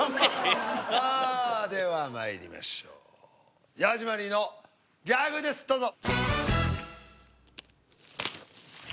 さあではまいりましょうヤジマリー。のギャグですどうぞ。